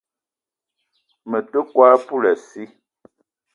Me te kwal poulassi